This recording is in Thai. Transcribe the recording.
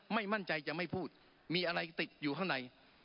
ไม่มั่นใจจะไม่พูดมีอะไรติดอยู่ข้างใน